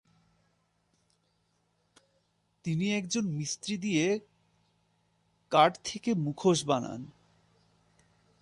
তিনি একজন মিস্ত্রি দিয়ে কাঠ থেকে মুখোশ বানান।